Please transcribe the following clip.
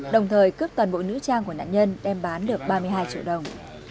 đồng thời cướp toàn bộ nữ trang của nạn nhân đem bán được ba mươi hai triệu đồng